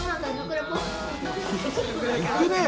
いくねえ！